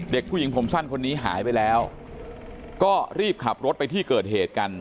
เด็กผู้หญิงผมสั้นคนนี้หายไปแล้วก็รีบขับรถไปที่เกิดเหตุกัน